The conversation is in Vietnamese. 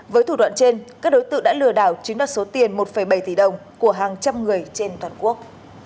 với thủ đoạn trên các đối tượng đã lừa đảo chiếm đoạt số tiền một bảy tỷ đồng của hàng trăm người trên toàn quốc